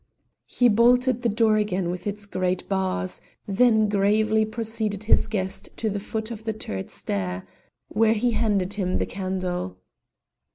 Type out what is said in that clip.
He bolted the door again with its great bars, then gravely preceded his guest to the foot of the turret stair, where he handed him the candle.